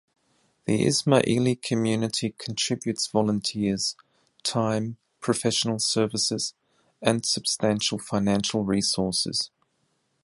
The Ismaili community contributes volunteers, time, professional services and substantial financial resources.